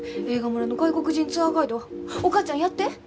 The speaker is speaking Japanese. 映画村の外国人ツアーガイドお母ちゃんやって！